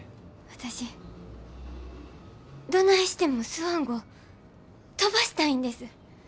私どないしてもスワン号飛ばしたいんです。